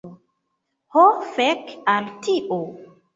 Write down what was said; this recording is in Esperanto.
Ho fek al tio!